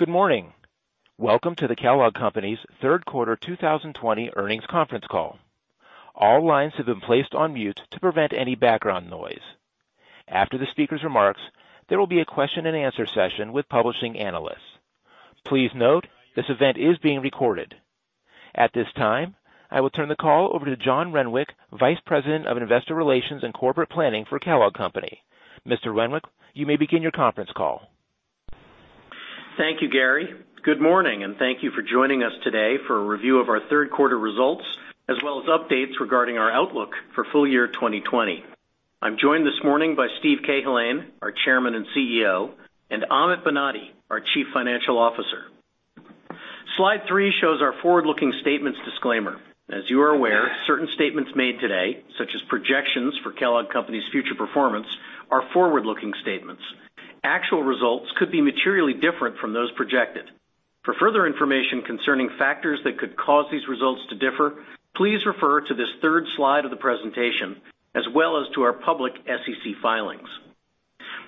Good morning. Welcome to the Kellogg Company's Third Quarter 2020 Earnings Conference Call. All lines have been placed on mute to prevent any background noise. After the speaker's remarks, there will be a question-and answer-session with publishing analysts. Please note, this event is being recorded. At this time, I will turn the call over to John Renwick, Vice President of Investor Relations and Corporate Planning for Kellogg Company. Mr. Renwick, you may begin your conference call. Thank you, Gary. Good morning, and thank you for joining us today for a review of our third quarter results, as well as updates regarding our outlook for full year 2020. I'm joined this morning by Steve Cahillane, our Chairman and CEO, and Amit Banati, our Chief Financial Officer. Slide three shows our forward-looking statements disclaimer. As you are aware, certain statements made today, such as projections for Kellogg Company's future performance, are forward-looking statements. Actual results could be materially different from those projected. For further information concerning factors that could cause these results to differ, please refer to this third slide of the presentation, as well as to our public SEC filings.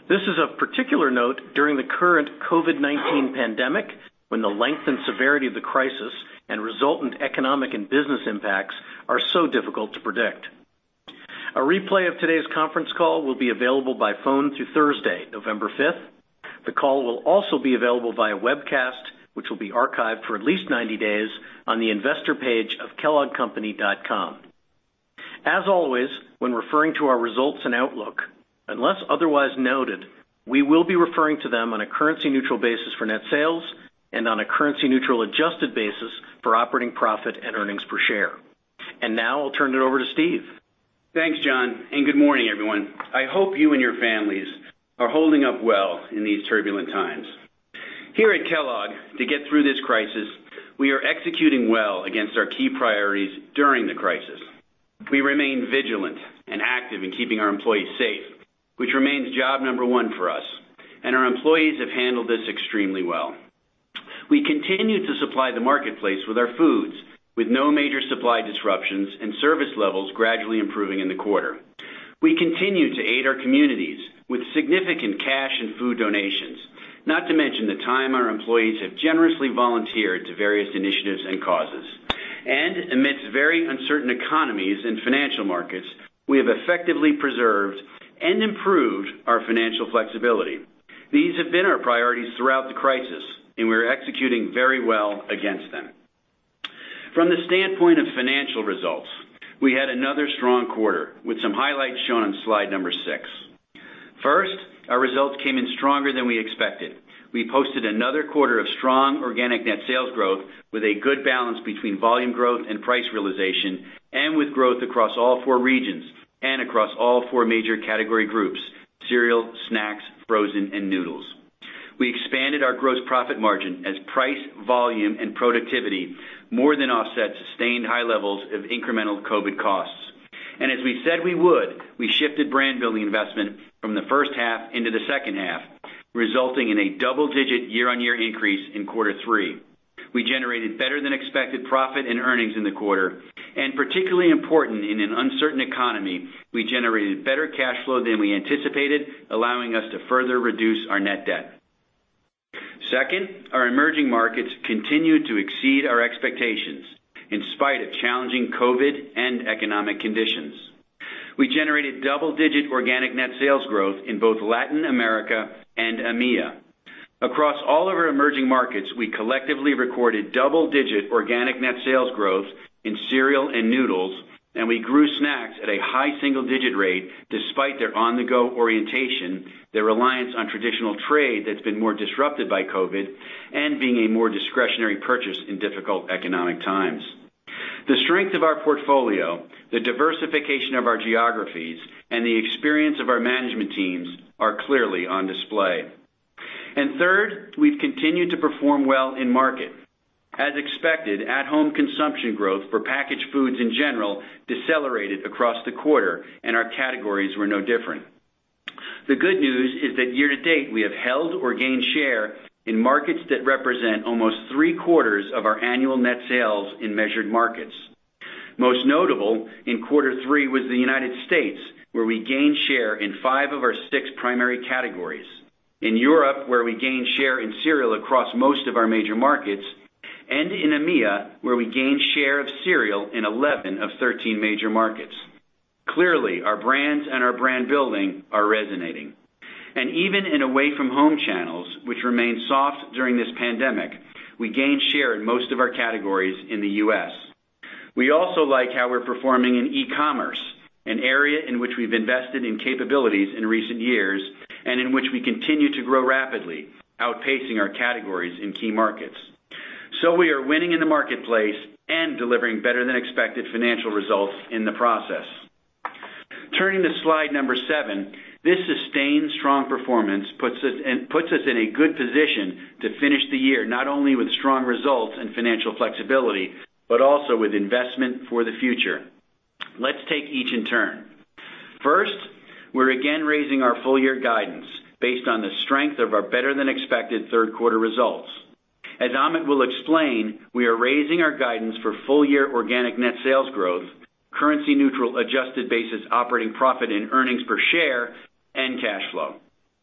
This is of particular note during the current COVID-19 pandemic, when the length and severity of the crisis and resultant economic and business impacts are so difficult to predict. A replay of today's conference call will be available by phone through Thursday, November 5th. The call will also be available via webcast, which will be archived for at least 90 days on the investor page of kelloggcompany.com. As always, when referring to our results and outlook, unless otherwise noted, we will be referring to them on a currency neutral basis for net sales and on a currency neutral adjusted basis for operating profit and earnings per share. Now I'll turn it over to Steve. Thanks, John. Good morning, everyone. I hope you and your families are holding up well in these turbulent times. Here at Kellogg, to get through this crisis, we are executing well against our key priorities during the crisis. We remain vigilant and active in keeping our employees safe, which remains job number one for us, and our employees have handled this extremely well. We continue to supply the marketplace with our foods, with no major supply disruptions and service levels gradually improving in the quarter. We continue to aid our communities with significant cash and food donations, not to mention the time our employees have generously volunteered to various initiatives and causes. Amidst very uncertain economies and financial markets, we have effectively preserved and improved our financial flexibility. These have been our priorities throughout the crisis, and we're executing very well against them. From the standpoint of financial results, we had another strong quarter, with some highlights shown on slide number six. First, our results came in stronger than we expected. We posted another quarter of strong organic net sales growth, with a good balance between volume growth and price realization, and with growth across all four regions and across all four major category groups, cereal, snacks, frozen, and noodles. We expanded our gross profit margin as price, volume, and productivity more than offset sustained high levels of incremental COVID-19 costs. As we said we would, we shifted brand building investment from the first half into the second half, resulting in a double-digit year-over-year increase in quarter three. We generated better than expected profit and earnings in the quarter, and particularly important in an uncertain economy, we generated better cash flow than we anticipated, allowing us to further reduce our net debt. Second, our emerging markets continued to exceed our expectations, in spite of challenging COVID and economic conditions. We generated double-digit organic net sales growth in both Latin America and EMEA. Across all of our emerging markets, we collectively recorded double-digit organic net sales growth in cereal and noodles, and we grew snacks at a high single-digit rate despite their on-the-go orientation, their reliance on traditional trade that's been more disrupted by COVID, and being a more discretionary purchase in difficult economic times. The strength of our portfolio, the diversification of our geographies, and the experience of our management teams are clearly on display. Third, we've continued to perform well in market. As expected, at home consumption growth for packaged foods in general decelerated across the quarter, and our categories were no different. The good news is that year to date, we have held or gained share in markets that represent almost three quarters of our annual net sales in measured markets. Most notable in quarter three was the United States, where we gained share in five of our six primary categories, in Europe, where we gained share in cereal across most of our major markets, and in EMEA, where we gained share of cereal in 11 of 13 major markets. Clearly, our brands and our brand building are resonating. Even in away from home channels, which remain soft during this pandemic, we gained share in most of our categories in the U.S. We also like how we're performing in e-commerce, an area in which we've invested in capabilities in recent years and in which we continue to grow rapidly, outpacing our categories in key markets. We are winning in the marketplace and delivering better than expected financial results in the process. Turning to slide number seven, this sustained strong performance puts us in a good position to finish the year not only with strong results and financial flexibility, but also with investment for the future. Let's take each in turn. First, we're again raising our full year guidance based on the strength of our better than expected third quarter results. As Amit will explain, we are raising our guidance for full-year organic net sales growth, currency neutral adjusted basis operating profit in earnings per share, and cash flow.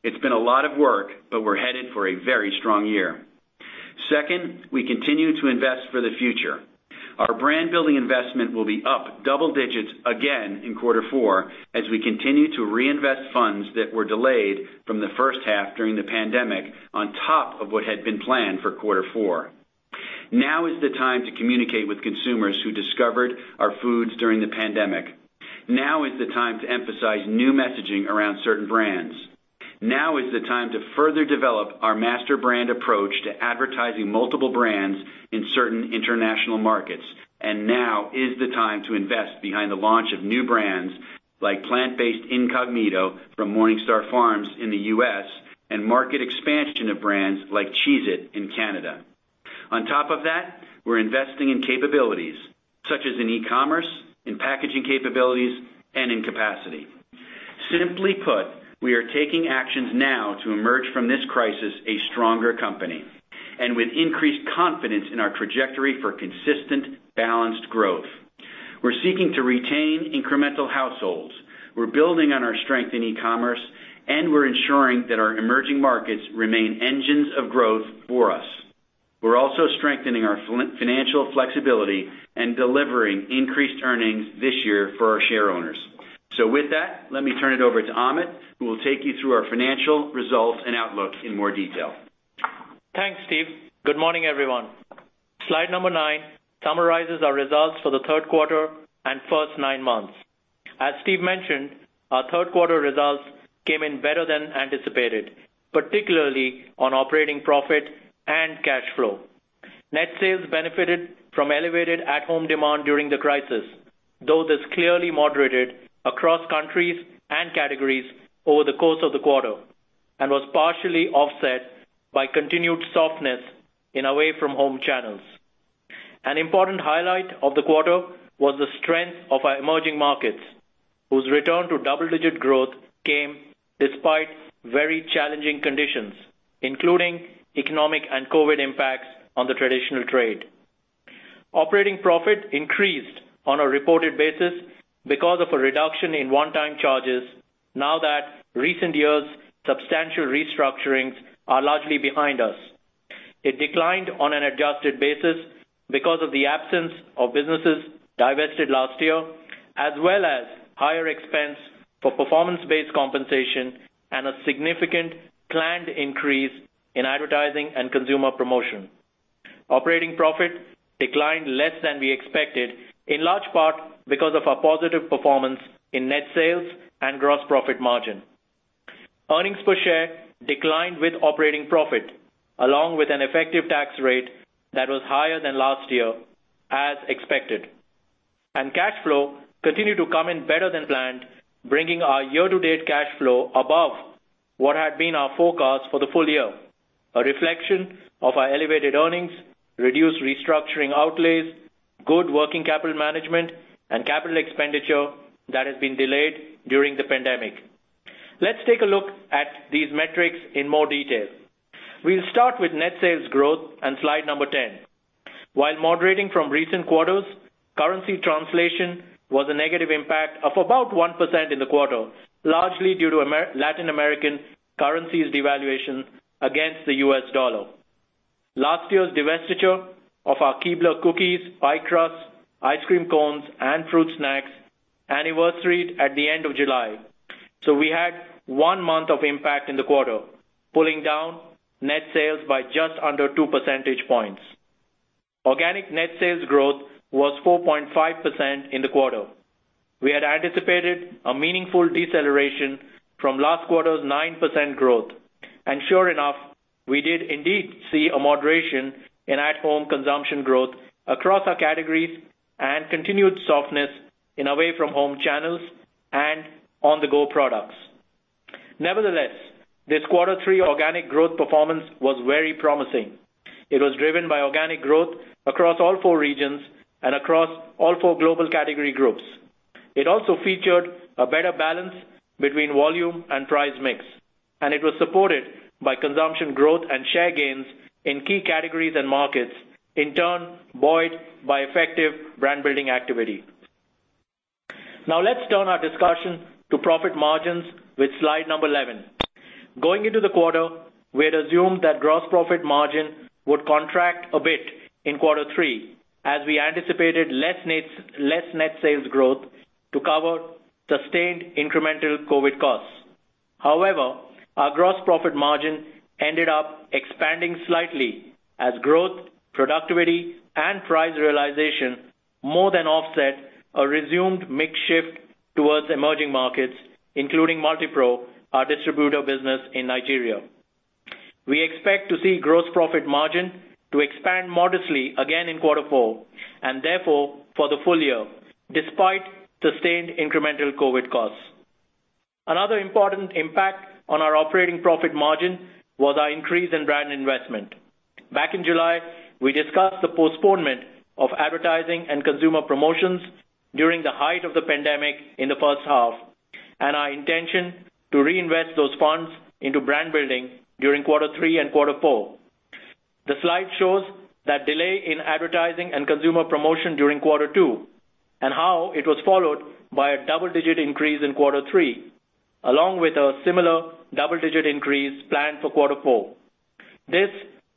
It's been a lot of work, but we're headed for a very strong year. Second, we continue to invest for the future. Our brand-building investment will be up double digits again in quarter four as we continue to reinvest funds that were delayed from the first half during the pandemic, on top of what had been planned for quarter four. Now is the time to communicate with consumers who discovered our foods during the pandemic. Now is the time to emphasize new messaging around certain brands. Now is the time to further develop our master brand approach to advertising multiple brands in certain international markets. Now is the time to invest behind the launch of new brands like plant-based Incogmeato from MorningStar Farms in the U.S., and market expansion of brands like Cheez-It in Canada. On top of that, we're investing in capabilities such as in e-commerce, in packaging capabilities, and in capacity. Simply put, we are taking actions now to emerge from this crisis a stronger company, and with increased confidence in our trajectory for consistent, balanced growth. We're seeking to retain incremental households, we're building on our strength in e-commerce, and we're ensuring that our emerging markets remain engines of growth for us. We're also strengthening our financial flexibility and delivering increased earnings this year for our shareowners. With that, let me turn it over to Amit, who will take you through our financial results and outlook in more detail. Thanks, Steve. Good morning, everyone. Slide number nine summarizes our results for the third quarter and first nine months. As Steve mentioned, our third quarter results came in better than anticipated, particularly on operating profit and cash flow. Net sales benefited from elevated at-home demand during the crisis, though this clearly moderated across countries and categories over the course of the quarter and was partially offset by continued softness in away-from-home channels. An important highlight of the quarter was the strength of our emerging markets, whose return to double-digit growth came despite very challenging conditions, including economic and COVID impacts on the traditional trade. Operating profit increased on a reported basis because of a reduction in one-time charges now that recent years' substantial restructurings are largely behind us. It declined on an adjusted basis because of the absence of businesses divested last year, as well as higher expense for performance-based compensation and a significant planned increase in advertising and consumer promotion. Operating profit declined less than we expected, in large part because of our positive performance in net sales and gross profit margin. Earnings per share declined with operating profit, along with an effective tax rate that was higher than last year, as expected. Cash flow continued to come in better than planned, bringing our year-to-date cash flow above what had been our forecast for the full year, a reflection of our elevated earnings, reduced restructuring outlays, good working capital management, and capital expenditure that has been delayed during the pandemic. Let's take a look at these metrics in more detail. We'll start with net sales growth on slide number 10. While moderating from recent quarters, currency translation was a negative impact of about 1% in the quarter, largely due to Latin American currencies devaluation against the U.S. dollar. Last year's divestiture of our Keebler cookies, pie crusts, ice cream cones, and fruit snacks anniversaried at the end of July. We had one month of impact in the quarter, pulling down net sales by just under two percentage points. Organic net sales growth was 4.5% in the quarter. We had anticipated a meaningful deceleration from last quarter's 9% growth. Sure enough, we did indeed see a moderation in at-home consumption growth across our categories and continued softness in away-from-home channels and on-the-go products. Nevertheless, this quarter three organic growth performance was very promising. It was driven by organic growth across all four regions and across all four global category groups. It also featured a better balance between volume and price mix, and it was supported by consumption growth and share gains in key categories and markets, in turn buoyed by effective brand-building activity. Now let's turn our discussion to profit margins with slide number 11. Going into the quarter, we had assumed that gross profit margin would contract a bit in quarter three, as we anticipated less net sales growth to cover sustained incremental COVID-19 costs. However, our gross profit margin ended up expanding slightly as growth, productivity, and price realization more than offset a resumed mix shift towards emerging markets, including Multipro, our distributor business in Nigeria. We expect to see gross profit margin to expand modestly again in quarter four, and therefore for the full year, despite sustained incremental COVID-19 costs. Another important impact on our operating profit margin was our increase in brand investment. Back in July, we discussed the postponement of advertising and consumer promotions during the height of the pandemic in the first half. Our intention to reinvest those funds into brand building during quarter three and quarter four. The slide shows that delay in advertising and consumer promotion during quarter two, and how it was followed by a double-digit increase in quarter three, along with a similar double-digit increase planned for quarter four. This,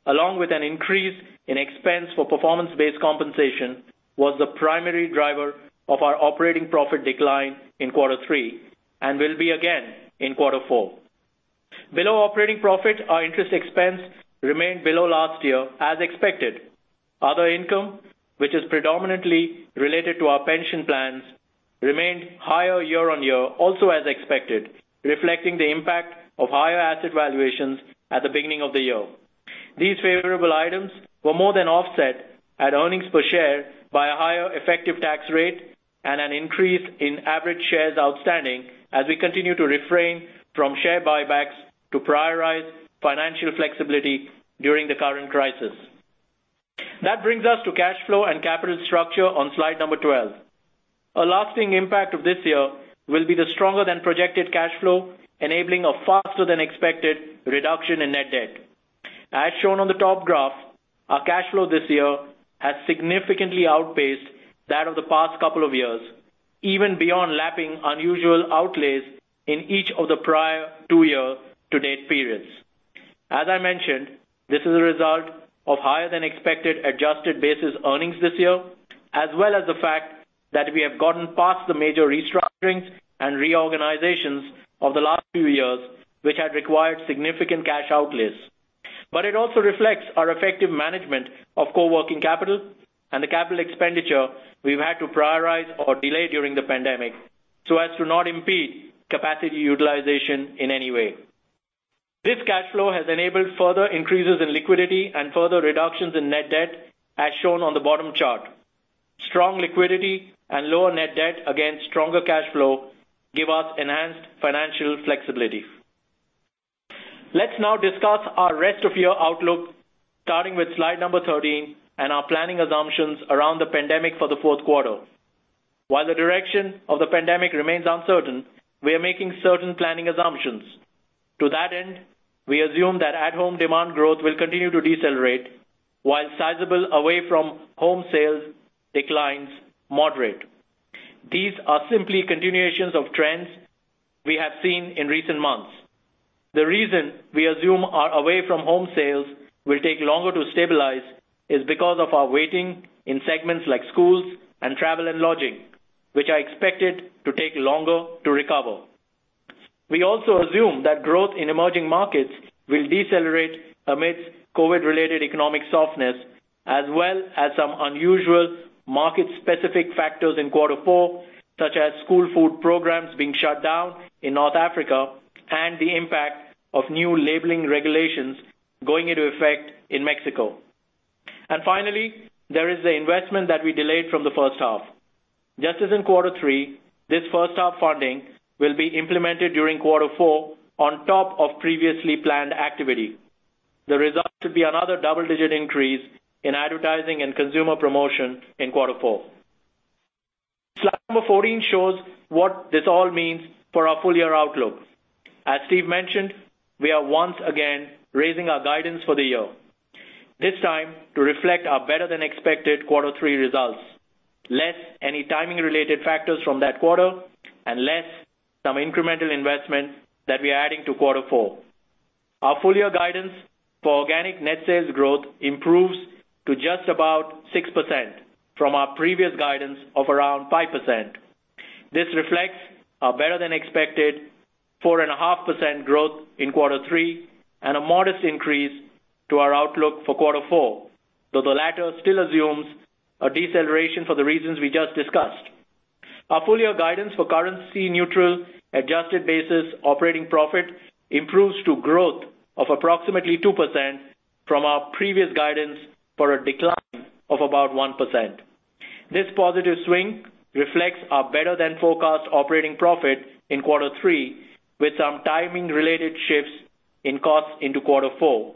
along with an increase in expense for performance-based compensation, was the primary driver of our operating profit decline in quarter three, and will be again in quarter four. Below operating profit, our interest expense remained below last year as expected. Other income, which is predominantly related to our pension plans, remained higher year-on-year, also as expected, reflecting the impact of higher asset valuations at the beginning of the year. These favorable items were more than offset at earnings per share by a higher effective tax rate and an increase in average shares outstanding as we continue to refrain from share buybacks to prioritize financial flexibility during the current crisis. That brings us to cash flow and capital structure on slide number 12. A lasting impact of this year will be the stronger than projected cash flow, enabling a faster than expected reduction in net debt. As shown on the top graph, our cash flow this year has significantly outpaced that of the past couple of years, even beyond lapping unusual outlays in each of the prior two year-to-date periods. As I mentioned, this is a result of higher than expected adjusted basis earnings this year, as well as the fact that we have gotten past the major restructurings and reorganizations of the last few years, which had required significant cash outlays. It also reflects our effective management of working capital and the capital expenditure we've had to prioritize or delay during the pandemic so as to not impede capacity utilization in any way. This cash flow has enabled further increases in liquidity and further reductions in net debt, as shown on the bottom chart. Strong liquidity and lower net debt against stronger cash flow give us enhanced financial flexibility. Let's now discuss our rest of year outlook, starting with slide number 13 and our planning assumptions around the pandemic for the fourth quarter. While the direction of the pandemic remains uncertain, we are making certain planning assumptions. To that end, we assume that at-home demand growth will continue to decelerate, while sizable away from home sales declines moderate. These are simply continuations of trends we have seen in recent months. The reason we assume our away-from-home sales will take longer to stabilize is because of our weighting in segments like schools and travel and lodging, which are expected to take longer to recover. We also assume that growth in emerging markets will decelerate amidst COVID-related economic softness, as well as some unusual market-specific factors in quarter four, such as school food programs being shut down in North Africa and the impact of new labeling regulations going into effect in Mexico. Finally, there is the investment that we delayed from the first half. Just as in quarter three, this first-half funding will be implemented during quarter four on top of previously planned activity. The result should be another double-digit increase in advertising and consumer promotion in quarter four. Slide number 14 shows what this all means for our full-year outlook. As Steve mentioned, we are once again raising our guidance for the year, this time to reflect our better than expected quarter three results, less any timing-related factors from that quarter, and less some incremental investment that we are adding to quarter four. Our full-year guidance for organic net sales growth improves to just about 6% from our previous guidance of around 5%. This reflects a better than expected 4.5% growth in quarter three and a modest increase to our outlook for quarter four, though the latter still assumes a deceleration for the reasons we just discussed. Our full-year guidance for currency-neutral adjusted basis operating profit improves to growth of approximately 2% from our previous guidance for a decline of about 1%. This positive swing reflects our better than forecast operating profit in quarter three with some timing-related shifts in costs into quarter four,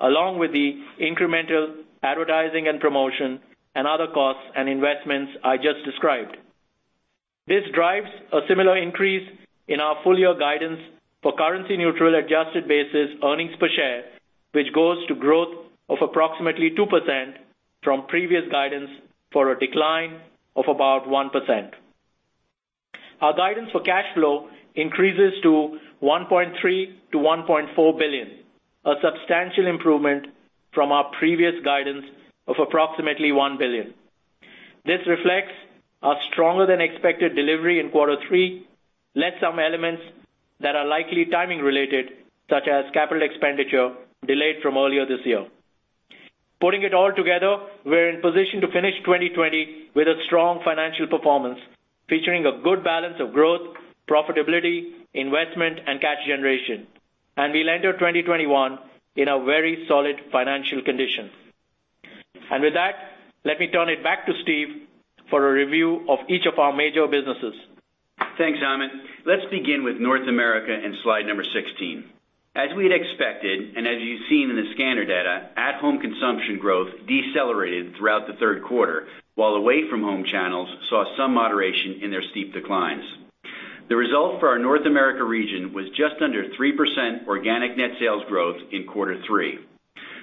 along with the incremental advertising and promotion and other costs and investments I just described. This drives a similar increase in our full-year guidance for currency-neutral adjusted basis earnings per share, which goes to growth of approximately 2% from previous guidance for a decline of about 1%. Our guidance for cash flow increases to $1.3 billion-$1.4 billion, a substantial improvement from our previous guidance of approximately $1 billion. This reflects our stronger than expected delivery in quarter three, less some elements that are likely timing related, such as capital expenditure delayed from earlier this year. Putting it all together, we're in position to finish 2020 with a strong financial performance featuring a good balance of growth, profitability, investment, and cash generation. We'll enter 2021 in a very solid financial condition. With that, let me turn it back to Steve for a review of each of our major businesses. Thanks, Amit. Let's begin with North America in slide number 16. As we'd expected, and as you've seen in the scanner data, at-home consumption growth decelerated throughout the third quarter, while away-from-home channels saw some moderation in their steep declines. The result for our North America region was just under 3% organic net sales growth in quarter three.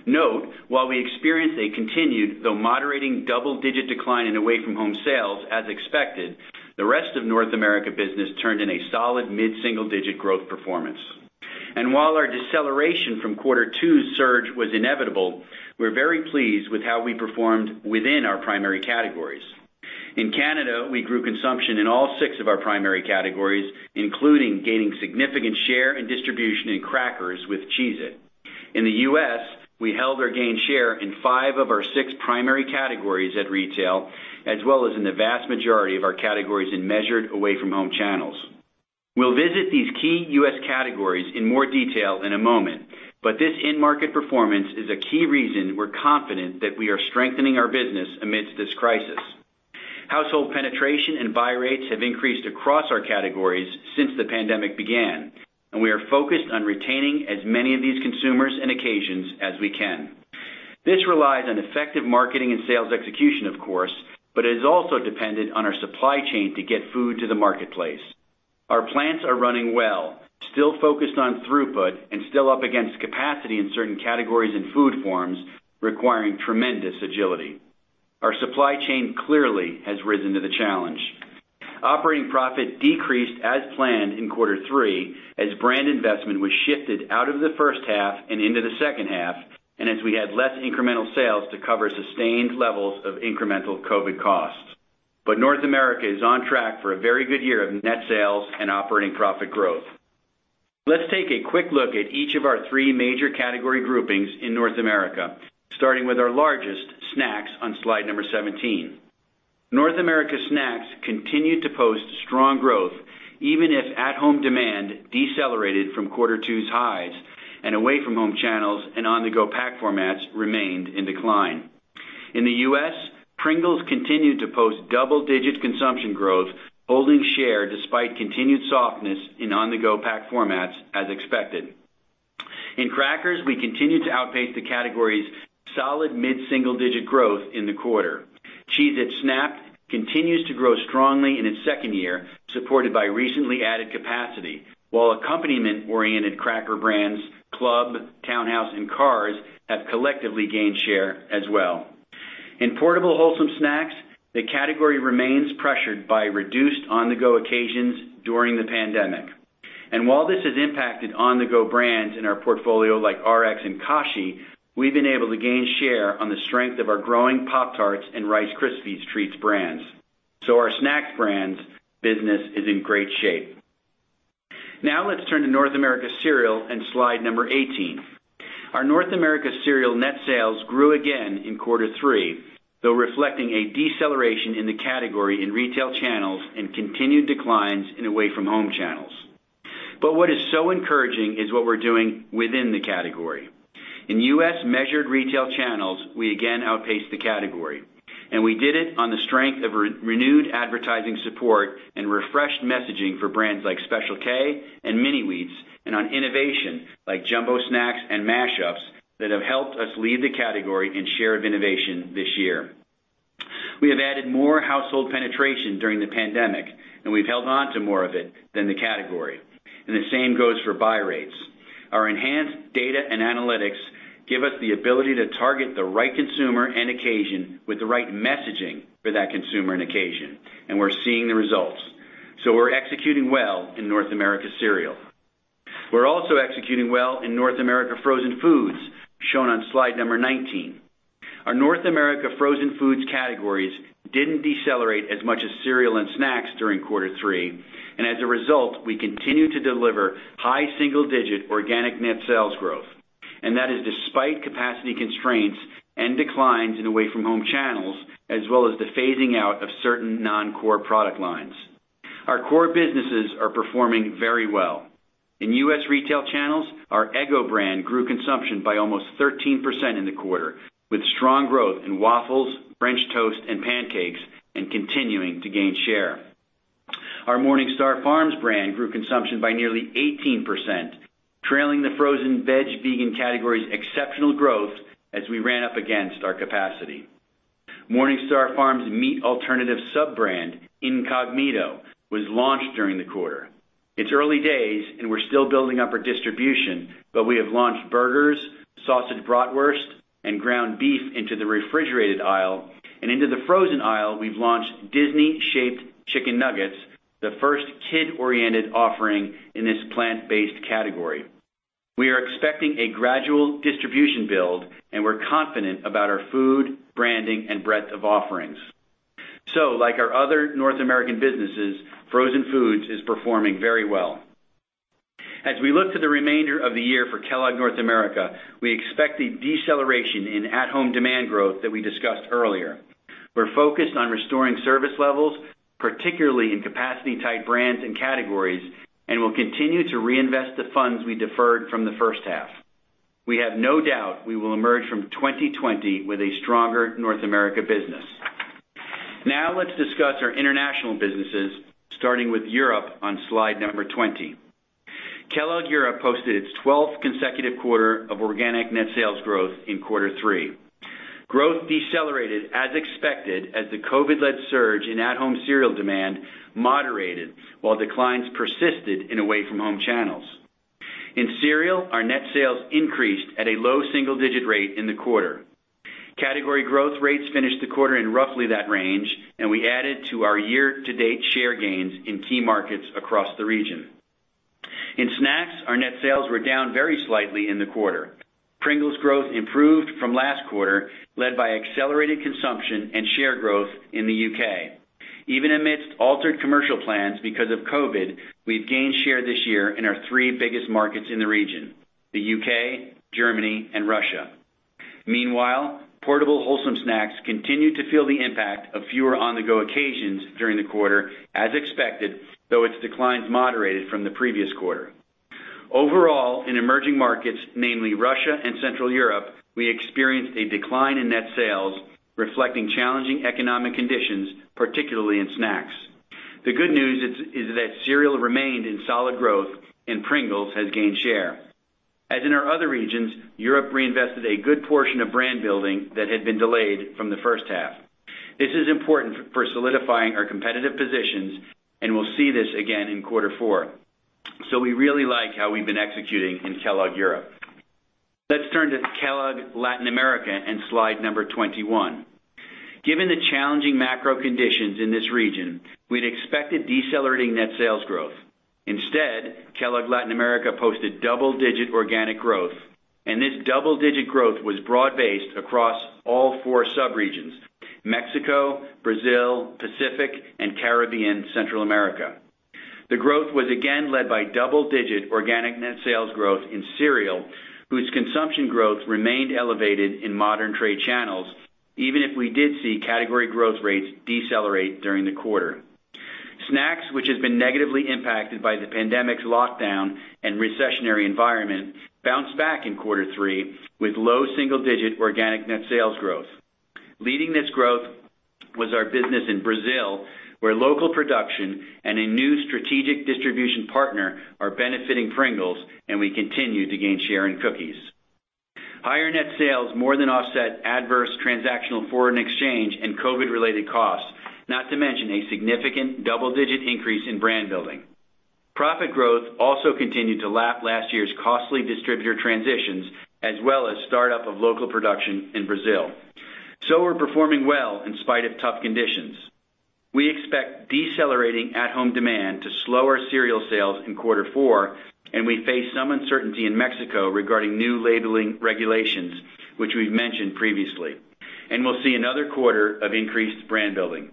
Note, while we experienced a continued, though moderating, double-digit decline in away-from-home sales as expected, the rest of North America business turned in a solid mid-single-digit growth performance. While our deceleration from quarter two's surge was inevitable, we're very pleased with how we performed within our primary categories. In Canada, we grew consumption in all six of our primary categories, including gaining significant share and distribution in crackers with Cheez-It. In the U.S., we held or gained share in five of our six primary categories at retail, as well as in the vast majority of our categories in measured away-from-home channels. We'll visit these key U.S. categories in more detail in a moment, but this end market performance is a key reason we're confident that we are strengthening our business amidst this crisis. Household penetration and buy rates have increased across our categories since the pandemic began, and we are focused on retaining as many of these consumers and occasions as we can. This relies on effective marketing and sales execution of course, but is also dependent on our supply chain to get food to the marketplace. Our plants are running well, still focused on throughput and still up against capacity in certain categories and food forms, requiring tremendous agility. Our supply chain clearly has risen to the challenge. Operating profit decreased as planned in quarter three, as brand investment was shifted out of the first half and into the second half, and as we had less incremental sales to cover sustained levels of incremental COVID costs. North America is on track for a very good year of net sales and operating profit growth. Let's take a quick look at each of our three major category groupings in North America, starting with our largest, snacks, on slide number 17. North America snacks continued to post strong growth even if at-home demand decelerated from quarter 2's highs and away-from-home channels and on-the-go pack formats remained in decline. In the U.S., Pringles continued to post double-digit consumption growth, holding share despite continued softness in on-the-go pack formats as expected. In crackers, we continued to outpace the category's solid mid-single-digit growth in the quarter. Cheez-It Snap'd continues to grow strongly in its second year, supported by recently added capacity, while accompaniment-oriented cracker brands Club, Town House, and Carr's have collectively gained share as well. In portable wholesome snacks, the category remains pressured by reduced on-the-go occasions during the pandemic. While this has impacted on-the-go brands in our portfolio, like RX and Kashi, we've been able to gain share on the strength of our growing Pop-Tarts and Rice Krispies Treats brands. Our snacks brands business is in great shape. Now let's turn to North America cereal and slide number 18. Our North America cereal net sales grew again in quarter three, though reflecting a deceleration in the category in retail channels and continued declines in away-from-home channels. What is so encouraging is what we're doing within the category. In U.S. measured retail channels, we again outpaced the category, and we did it on the strength of renewed advertising support and refreshed messaging for brands like Special K and Mini-Wheats, and on innovation like Jumbo Snax and MASHUPS that have helped us lead the category in share of innovation this year. We have added more household penetration during the pandemic, and we've held on to more of it than the category, and the same goes for buy rates. Our enhanced data and analytics give us the ability to target the right consumer and occasion with the right messaging for that consumer and occasion, and we're seeing the results. We're executing well in North America cereal. We're also executing well in North America frozen foods, shown on slide number 19. Our North America frozen foods categories didn't decelerate as much as cereal and snacks during quarter three, as a result, we continue to deliver high single-digit organic net sales growth. That is despite capacity constraints and declines in away-from-home channels, as well as the phasing out of certain non-core product lines. Our core businesses are performing very well. In U.S. retail channels, our Eggo brand grew consumption by almost 13% in the quarter, with strong growth in waffles, French toast, and pancakes, and continuing to gain share. Our MorningStar Farms brand grew consumption by nearly 18%, trailing the frozen veg/vegan category's exceptional growth as we ran up against our capacity. MorningStar Farms' meat alternative sub-brand, Incogmeato, was launched during the quarter. It's early days and we're still building up our distribution, but we have launched burgers, sausage bratwurst, and ground beef into the refrigerated aisle. Into the frozen aisle, we've launched Disney shaped chicken nuggets, the first kid-oriented offering in this plant-based category. We are expecting a gradual distribution build, and we're confident about our food, branding, and breadth of offerings. Like our other North America businesses, frozen foods is performing very well. As we look to the remainder of the year for Kellogg North America, we expect the deceleration in at-home demand growth that we discussed earlier. We're focused on restoring service levels, particularly in capacity-tight brands and categories, and will continue to reinvest the funds we deferred from the first half. We have no doubt we will emerge from 2020 with a stronger North America business. Let's discuss our international businesses, starting with Kellogg Europe on slide number 20. Kellogg Europe posted its 12th consecutive quarter of organic net sales growth in quarter three. Growth decelerated as expected as the COVID-led surge in at-home cereal demand moderated, while declines persisted in away-from-home channels. In cereal, our net sales increased at a low single-digit rate in the quarter. We added to our year-to-date share gains in key markets across the region. In snacks, our net sales were down very slightly in the quarter. Pringles growth improved from last quarter, led by accelerated consumption and share growth in the U.K. Even amidst altered commercial plans because of COVID, we've gained share this year in our three biggest markets in the region, the U.K., Germany, and Russia. Portable wholesome snacks continued to feel the impact of fewer on-the-go occasions during the quarter, as expected, though its declines moderated from the previous quarter. Overall, in emerging markets, namely Russia and Central Europe, we experienced a decline in net sales reflecting challenging economic conditions, particularly in snacks. The good news is that cereal remained in solid growth and Pringles has gained share. As in our other regions, Europe reinvested a good portion of brand building that had been delayed from the first half. This is important for solidifying our competitive positions, and we'll see this again in quarter four. We really like how we've been executing in Kellogg Europe. Let's turn to Kellogg Latin America and slide number 21. Given the challenging macro conditions in this region, we'd expected decelerating net sales growth. Kellogg Latin America posted double-digit organic growth, and this double-digit growth was broad-based across all four sub-regions, Mexico, Brazil, Pacific, and Caribbean, Central America. The growth was again led by double-digit organic net sales growth in cereal, whose consumption growth remained elevated in modern trade channels, even if we did see category growth rates decelerate during the quarter. Snacks, which has been negatively impacted by the pandemic's lockdown and recessionary environment, bounced back in quarter three with low double-digit organic net sales growth. Leading this growth was our business in Brazil, where local production and a new strategic distribution partner are benefiting Pringles, and we continue to gain share in cookies. Higher net sales more than offset adverse transactional foreign exchange and COVID-related costs, not to mention a significant double-digit increase in brand building. Profit growth also continued to lap last year's costly distributor transitions, as well as startup of local production in Brazil. We're performing well in spite of tough conditions. We expect decelerating at-home demand to slow our cereal sales in quarter four. We face some uncertainty in Mexico regarding new labeling regulations, which we've mentioned previously. We'll see another quarter of increased brand building.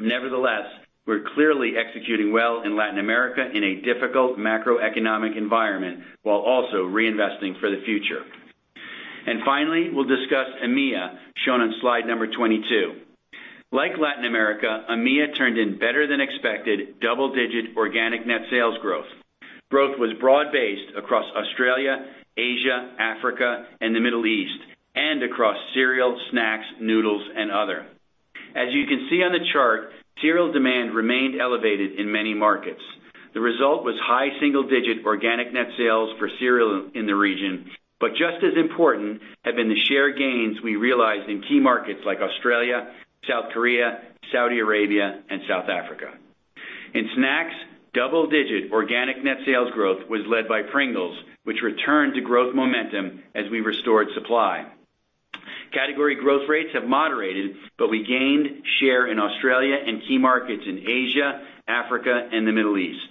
Nevertheless, we're clearly executing well in Latin America in a difficult macroeconomic environment, while also reinvesting for the future. Finally, we'll discuss EMEA, shown on slide number 22. Like Latin America, EMEA turned in better-than-expected double-digit organic net sales growth. Growth was broad-based across Australia, Asia, Africa, and the Middle East, across cereal, snacks, noodles, and other. As you can see on the chart, cereal demand remained elevated in many markets. The result was high single-digit organic net sales for cereal in the region. Just as important have been the share gains we realized in key markets like Australia, South Korea, Saudi Arabia, and South Africa. In snacks, double-digit organic net sales growth was led by Pringles, which returned to growth momentum as we restored supply. Category growth rates have moderated. We gained share in Australia and key markets in Asia, Africa, and the Middle East.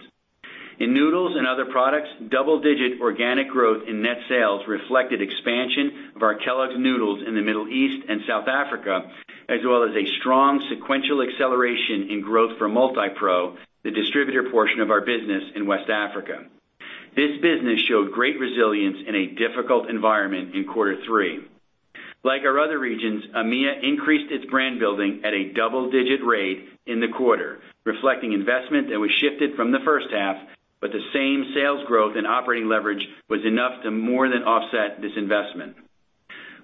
In noodles and other products, double-digit organic growth in net sales reflected expansion of our Kellogg's noodles in the Middle East and South Africa, as well as a strong sequential acceleration in growth for Multipro, the distributor portion of our business in West Africa. This business showed great resilience in a difficult environment in quarter three. Like our other regions, EMEA increased its brand building at a double-digit rate in the quarter, reflecting investment that was shifted from the first half. The same sales growth and operating leverage was enough to more than offset this investment.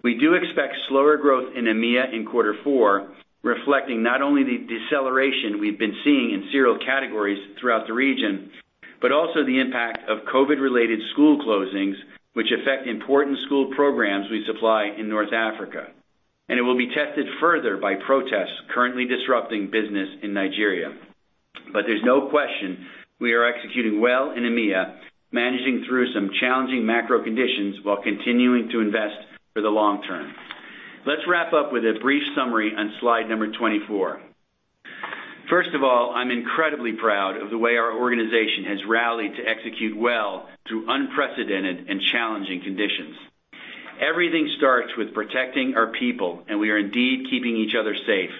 We do expect slower growth in EMEA in quarter four, reflecting not only the deceleration we've been seeing in cereal categories throughout the region, but also the impact of COVID-related school closings, which affect important school programs we supply in North Africa. It will be tested further by protests currently disrupting business in Nigeria. There's no question, we are executing well in EMEA, managing through some challenging macro conditions while continuing to invest for the long term. Let's wrap up with a brief summary on slide number 24. First of all, I'm incredibly proud of the way our organization has rallied to execute well through unprecedented and challenging conditions. Everything starts with protecting our people, and we are indeed keeping each other safe.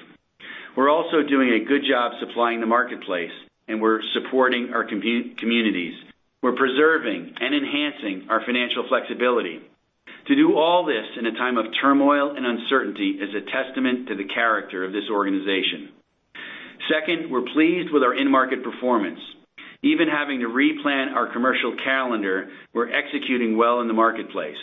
We're also doing a good job supplying the marketplace, and we're supporting our communities. We're preserving and enhancing our financial flexibility. To do all this in a time of turmoil and uncertainty is a testament to the character of this organization. Second, we're pleased with our in-market performance. Even having to replan our commercial calendar, we're executing well in the marketplace.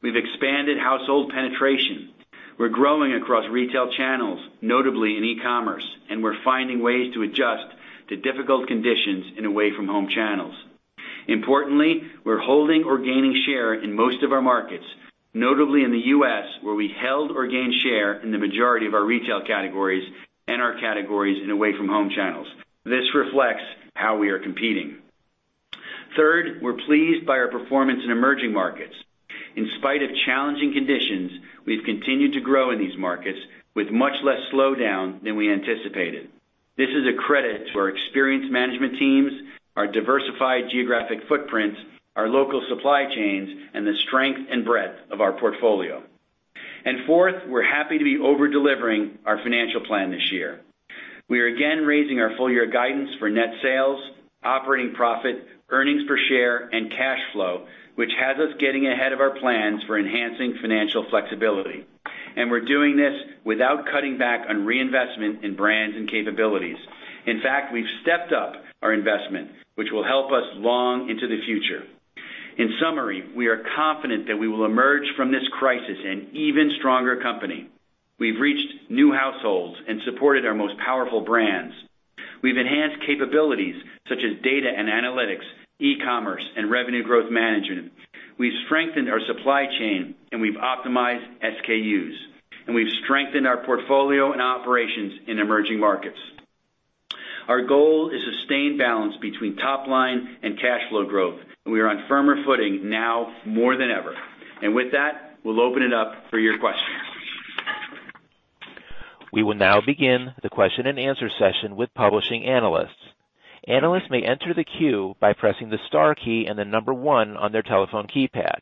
We've expanded household penetration, we're growing across retail channels, notably in e-commerce, and we're finding ways to adjust to difficult conditions in away-from-home channels. Importantly, we're holding or gaining share in most of our markets, notably in the U.S., where we held or gained share in the majority of our retail categories and our categories in away-from-home channels. This reflects how we are competing. Third, we're pleased by our performance in emerging markets. In spite of challenging conditions, we've continued to grow in these markets with much less slowdown than we anticipated. This is a credit to our experienced management teams, our diversified geographic footprints, our local supply chains, and the strength and breadth of our portfolio. Fourth, we're happy to be over-delivering our financial plan this year. We are again raising our full year guidance for net sales, operating profit, earnings per share, and cash flow, which has us getting ahead of our plans for enhancing financial flexibility. We're doing this without cutting back on reinvestment in brands and capabilities. In fact, we've stepped up our investment, which will help us long into the future. In summary, we are confident that we will emerge from this crisis an even stronger company. We've reached new households and supported our most powerful brands. We've enhanced capabilities such as data and analytics, e-commerce, and revenue growth management. We've strengthened our supply chain and we've optimized SKUs, and we've strengthened our portfolio and operations in emerging markets. Our goal is sustained balance between top line and cash flow growth, and we are on firmer footing now more than ever. With that, we'll open it up for your questions. We will now begin the question-and-answer session with publishing analysts. Analysts may enter the queue by pressing the star key and then number one on their telephone keypad.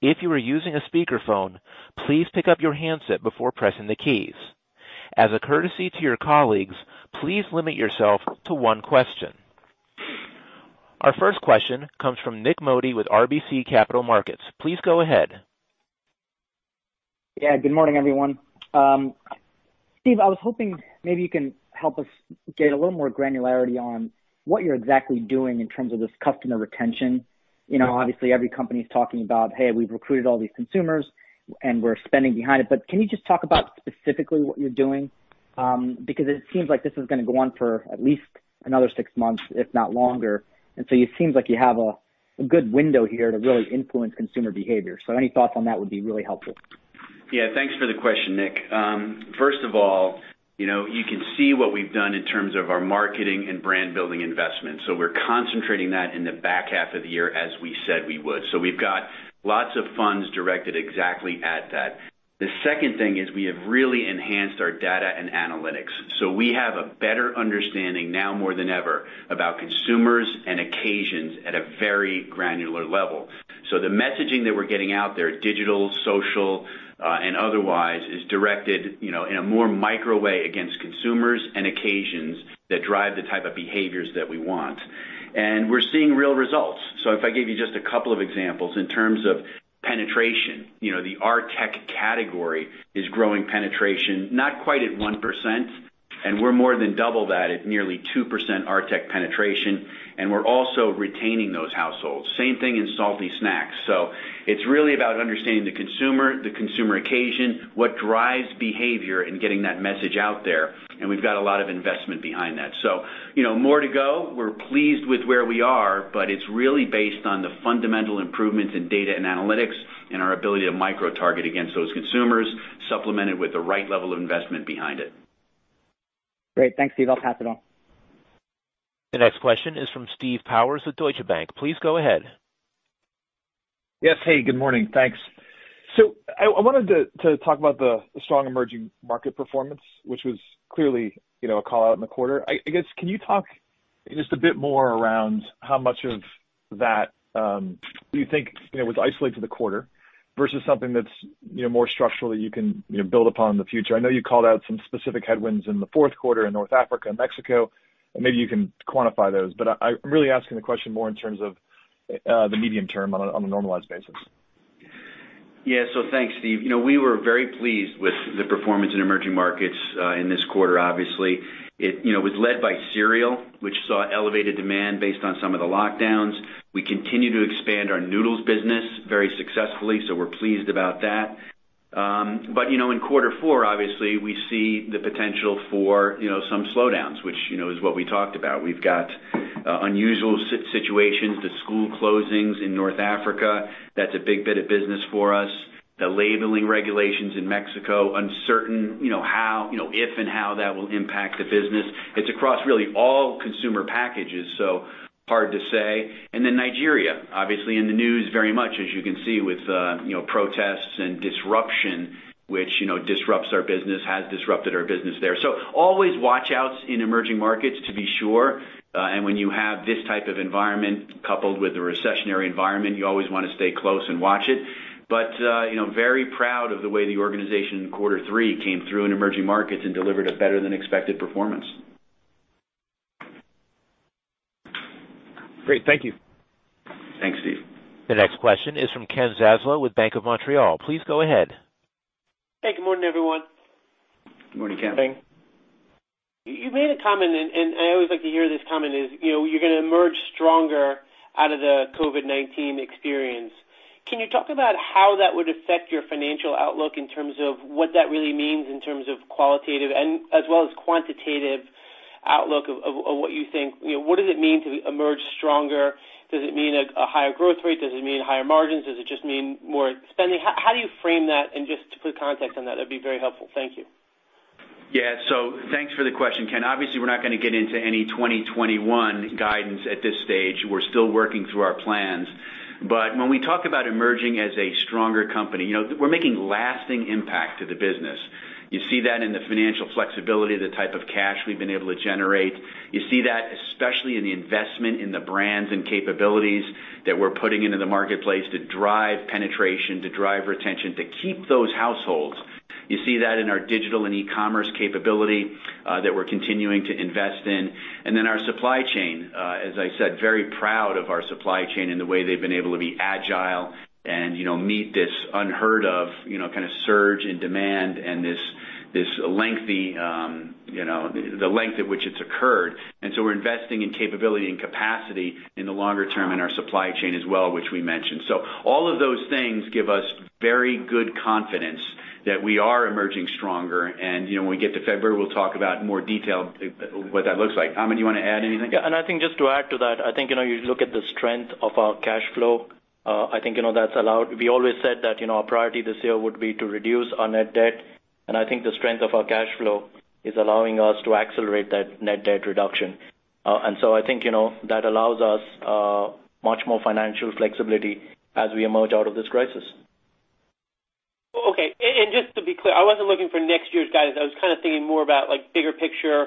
If you are using a speakerphone, please pick up your handset before pressing the keys. As a courtesy to your colleagues, please limit yourself to one question. Our first question comes from Nik Modi with RBC Capital Markets. Please go ahead. Yeah. Good morning, everyone. Steve, I was hoping maybe you can help us get a little more granularity on what you're exactly doing in terms of this customer retention. Obviously, every company's talking about, "Hey, we've recruited all these consumers and we're spending behind it," but can you just talk about specifically what you're doing? It seems like this is going to go on for at least another six months, if not longer, and so it seems like you have a good window here to really influence consumer behavior. Any thoughts on that would be really helpful. Yeah. Thanks for the question, Nik. First of all, you can see what we've done in terms of our marketing and brand-building investment. We're concentrating that in the back half of the year as we said we would. We've got lots of funds directed exactly at that. The second thing is we have really enhanced our data and analytics. We have a better understanding now more than ever about consumers and occasions at a very granular level. The messaging that we're getting out there, digital, social, and otherwise, is directed in a more micro way against consumers and occasions that drive the type of behaviors that we want. We're seeing real results. If I gave you just a couple of examples in terms of penetration, the RTE category is growing penetration not quite at 1%, and we're more than double that at nearly 2% RTE penetration, and we're also retaining those households. Same thing in salty snacks. It's really about understanding the consumer, the consumer occasion, what drives behavior, and getting that message out there, and we've got a lot of investment behind that. More to go. We're pleased with where we are, but it's really based on the fundamental improvements in data and analytics and our ability to micro-target against those consumers, supplemented with the right level of investment behind it. Great. Thanks, Steve. I'll pass it on. The next question is from Steve Powers with Deutsche Bank. Please go ahead. Yes. Hey, good morning. Thanks. I wanted to talk about the strong emerging market performance, which was clearly a call-out in the quarter. I guess, can you talk just a bit more around how much of that do you think was isolated to the quarter versus something that's more structural that you can build upon in the future? I know you called out some specific headwinds in the fourth quarter in North Africa and Mexico, and maybe you can quantify those, but I'm really asking the question more in terms of the medium term on a normalized basis. Thanks, Steve. We were very pleased with the performance in emerging markets, in this quarter, obviously. It was led by cereal, which saw elevated demand based on some of the lockdowns. We continue to expand our noodles business very successfully, we're pleased about that. In quarter four, obviously, we see the potential for some slowdowns, which is what we talked about. We've got unusual situations, the school closings in North Africa, that's a big bit of business for us. The labeling regulations in Mexico, uncertain if and how that will impact the business. It's across really all consumer packages, hard to say. Nigeria, obviously in the news very much, as you can see with protests and disruption, which has disrupted our business there. Always watch out in emerging markets to be sure. When you have this type of environment coupled with a recessionary environment, you always want to stay close and watch it. Very proud of the way the organization in quarter three came through in emerging markets and delivered a better than expected performance. Great. Thank you. Thanks, Steve. The next question is from Ken Zaslow with Bank of Montreal. Please go ahead. Hey, good morning, everyone. Good morning, Ken. Morning. You made a comment, and I always like to hear this comment, is you're going to emerge stronger out of the COVID-19 experience. Can you talk about how that would affect your financial outlook in terms of what that really means in terms of qualitative as well as quantitative outlook of what you think? What does it mean to emerge stronger? Does it mean a higher growth rate? Does it mean higher margins? Does it just mean more spending? How do you frame that? Just to put context on that'd be very helpful. Thank you. Thanks for the question, Ken. Obviously, we're not going to get into any 2021 guidance at this stage. We're still working through our plans. When we talk about emerging as a stronger company, we're making lasting impact to the business. You see that in the financial flexibility, the type of cash we've been able to generate. You see that especially in the investment in the brands and capabilities that we're putting into the marketplace to drive penetration, to drive retention, to keep those households. You see that in our digital and e-commerce capability, that we're continuing to invest in. Our supply chain, as I said, very proud of our supply chain and the way they've been able to be agile and meet this unheard of kind of surge in demand and the length at which it's occurred. We're investing in capability and capacity in the longer term in our supply chain as well, which we mentioned. All of those things give us very good confidence that we are emerging stronger. When we get to February, we'll talk about more detail, what that looks like. Amit, you want to add anything? I think just to add to that, I think, you look at the strength of our cash flow. I think that's allowed. We always said that our priority this year would be to reduce our net debt, and I think the strength of our cash flow is allowing us to accelerate that net debt reduction. I think that allows us much more financial flexibility as we emerge out of this crisis. Okay. Just to be clear, I wasn't looking for next year's guidance. I was kind of thinking more about bigger picture,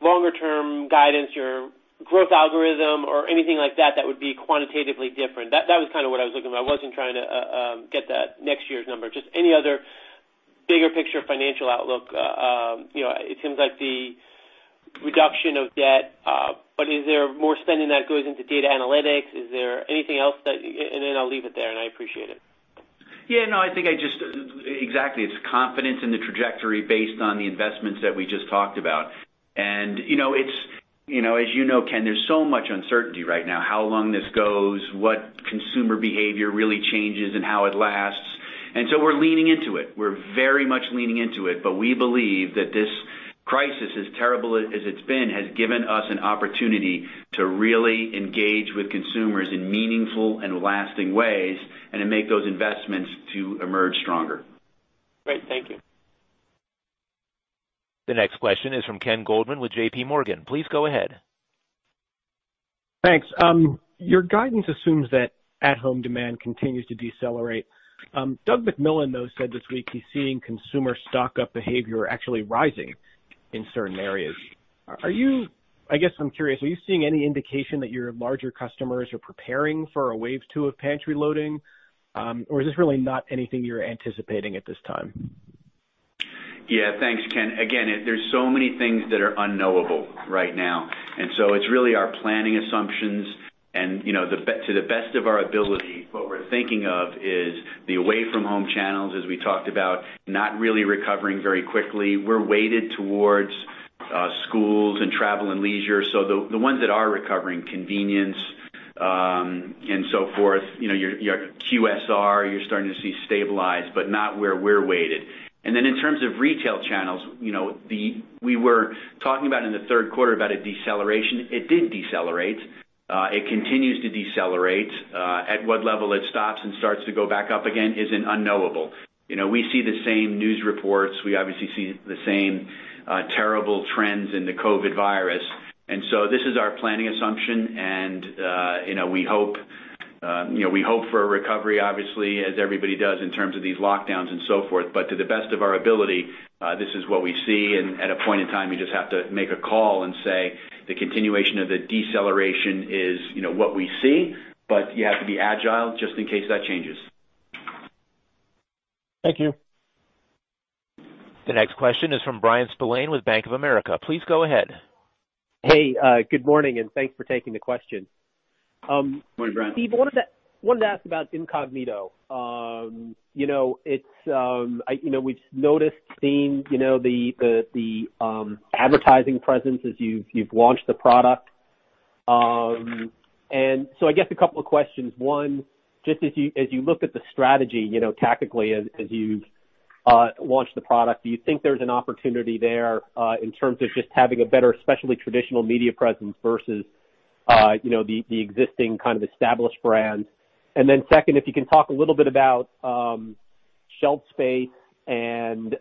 longer term guidance or growth algorithm or anything like that that would be quantitatively different. That was kind of what I was looking for. I wasn't trying to get that next year's number, just any other bigger picture financial outlook. It seems like the reduction of debt, but is there more spending that goes into data analytics? Is there anything else? I'll leave it there. I appreciate it. Exactly. It's confidence in the trajectory based on the investments that we just talked about. As you know, Ken, there's so much uncertainty right now, how long this goes, what consumer behavior really changes and how it lasts. We're leaning into it. We're very much leaning into it. We believe that this crisis, as terrible as it's been, has given us an opportunity to really engage with consumers in meaningful and lasting ways and to make those investments to emerge stronger. Great. Thank you. The next question is from Ken Goldman with J.P. Morgan. Please go ahead. Thanks. Your guidance assumes that at-home demand continues to decelerate. Doug McMillon, though, said this week he's seeing consumer stock-up behavior actually rising in certain areas. I guess I'm curious, are you seeing any indication that your larger customers are preparing for a wave two of pantry loading? Or is this really not anything you're anticipating at this time? Yeah. Thanks, Ken. There's so many things that are unknowable right now, it's really our planning assumptions and to the best of our ability, what we're thinking of is the away-from-home channels, as we talked about, not really recovering very quickly. We're weighted towards schools and travel and leisure. The ones that are recovering, convenience, and so forth, your QSR, you're starting to see stabilize, but not where we're weighted. In terms of retail channels, we were talking about in the third quarter about a deceleration. It did decelerate. It continues to decelerate. At what level it stops and starts to go back up again is an unknowable. We see the same news reports. We obviously see the same terrible trends in the COVID virus. This is our planning assumption. We hope for a recovery, obviously, as everybody does, in terms of these lockdowns and so forth. To the best of our ability, this is what we see. At a point in time, you just have to make a call and say the continuation of the deceleration is what we see, but you have to be agile just in case that changes. Thank you. The next question is from Bryan Spillane with Bank of America. Please go ahead. Hey, good morning, thanks for taking the question. Morning, Bryan. Steve, I wanted to ask about Incogmeato. We've noticed seeing the advertising presence as you've launched the product. I guess a couple of questions. One, just as you look at the strategy tactically as you've launched the product, do you think there's an opportunity there, in terms of just having a better, especially traditional media presence versus the existing kind of established brands? Second, if you can talk a little bit about shelf space and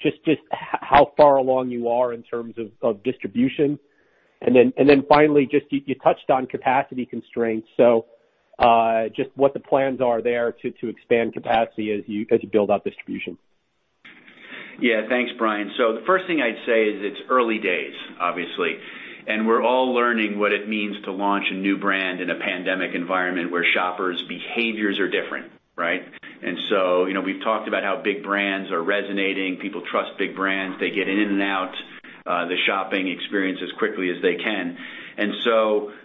just how far along you are in terms of distribution. Finally, just you touched on capacity constraints, so just what the plans are there to expand capacity as you build out distribution. Yeah. Thanks, Bryan. The first thing I'd say is it's early days, obviously, and we're all learning what it means to launch a new brand in a pandemic environment where shoppers' behaviors are different, right? We've talked about how big brands are resonating. People trust big brands. They get in and out. The shopping experience as quickly as they can.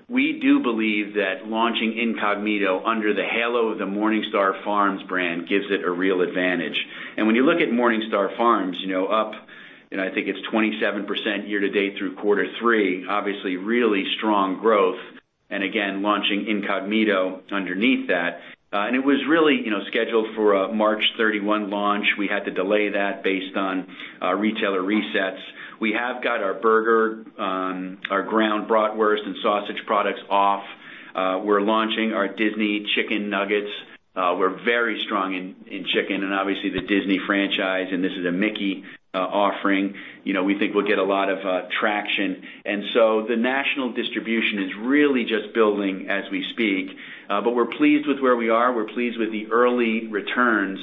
We do believe that launching Incogmeato under the halo of the MorningStar Farms brand gives it a real advantage. When you look at MorningStar Farms, up, I think it's 27% year to date through quarter three, obviously really strong growth, and again, launching Incogmeato underneath that. It was really scheduled for a March 31 launch. We had to delay that based on retailer resets. We have got our burger, our ground bratwurst and sausage products off. We're launching our Disney chicken nuggets. We're very strong in chicken and obviously the Disney franchise, and this is a Mickey offering. We think we'll get a lot of traction. The national distribution is really just building as we speak. We're pleased with where we are. We're pleased with the early returns.